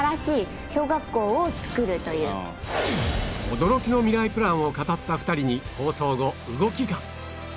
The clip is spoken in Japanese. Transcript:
驚きのミライプランを語った２人に放送後動きが